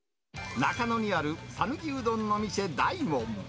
中野にある讃岐うどんの店、大門。